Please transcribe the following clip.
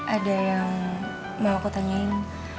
ada yang mau aku tanyain